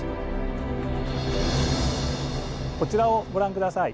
こちらをご覧下さい。